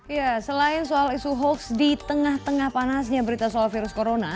ya selain soal isu hoax di tengah tengah panasnya berita soal virus corona